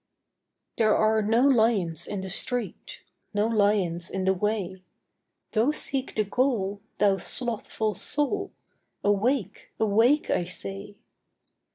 There are no lions in the street; No lions in the way. Go seek the goal, thou slothful soul, Awake, awake, I say.